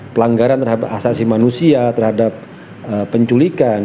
pelanggaran terhadap asasi manusia terhadap penculikan